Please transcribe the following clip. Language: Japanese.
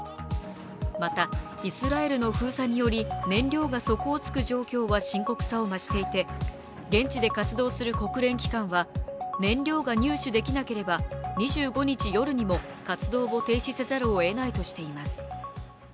また、イスラエルの封鎖により燃料が底をつく状況は深刻さを増していて現地で活動する国連機関は、燃料が入手できなければ２５日夜にも活動を停止せざるをえないとしています。